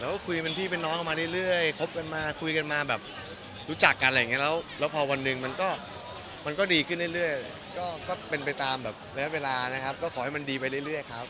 แล้วก็คุยเป็นพี่เป็นน้องกันมาเรื่อยคบกันมาคุยกันมาแบบรู้จักกันอะไรอย่างนี้แล้วพอวันหนึ่งมันก็มันก็ดีขึ้นเรื่อยก็เป็นไปตามแบบระยะเวลานะครับก็ขอให้มันดีไปเรื่อยครับ